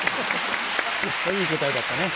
いい答えだったね。